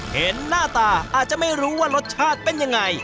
เห็นหน้าตาอาจจะไม่รู้ว่ารสชาติเป็นยังไง